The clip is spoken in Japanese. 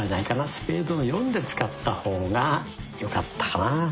「スペードの４」で使った方がよかったかな。